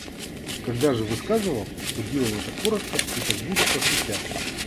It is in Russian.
Когда же высказывал, то делал это коротко и как будто шутя.